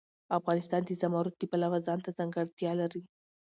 افغانستان د زمرد د پلوه ځانته ځانګړتیا لري.